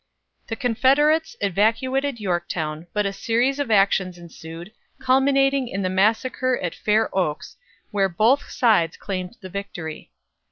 The Confederates evacuated Yorktown, but a series of actions ensued, culminating in the massacre at Fair Oaks, where both sides claimed the victory.